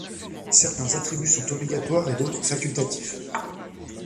Certains attributs sont obligatoires et d'autres facultatifs.